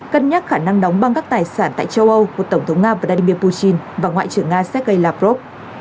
cân nhắc khả năng đóng băng các tài sản tại châu âu của tổng thống nga vladimir putin và ngoại trưởng nga sergei lavrov